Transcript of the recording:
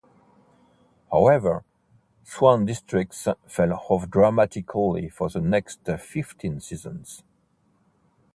However, Swan Districts fell off dramatically for the next fifteen seasons.